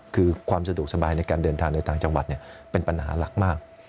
คือความสะดวกสบายในการเดินทางในต่างจังหวัดเป็นปัญหาหลักมาก